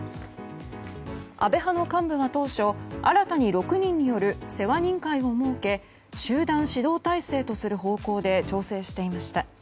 安倍派の幹部は当初、新たに６人による世話人会を設け集団指導体制とする方向で調整していました。